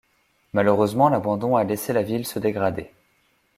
Malheureusement, l'abandon a laissé la ville se dégrader.